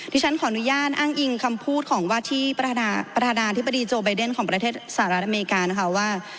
ที่ฉันขออนุญาตอ้างอิงคำพูดของว่าที่ประธานาธิบดีโจไบเดนของประเทศสหรัฐอเมริกานะคะว่า